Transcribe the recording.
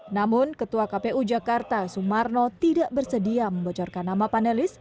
namun ketua kpu jakarta sumarno tidak bersedia membocorkan nama panelis